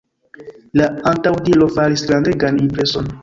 La antaŭdiro faris grandegan impreson.